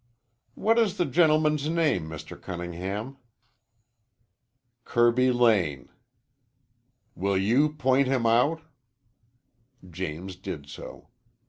"What is the gentleman's name, Mr. Cunningham?" "Kirby Lane." "Will you point him out?" James did so.